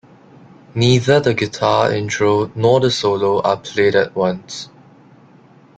Neither the guitar intro nor the solo are played at once.